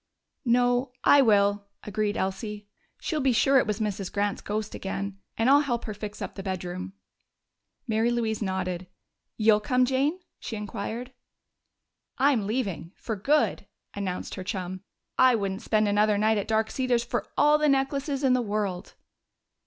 "No, I will," agreed Elsie. "She'll be sure it was Mrs. Grant's ghost again.... And I'll help her fix up the bedroom." Mary Louise nodded. "You'll come, Jane?" she inquired. "I'm leaving for good!" announced her chum. "I wouldn't spend another night at Dark Cedars for all the necklaces in the world!"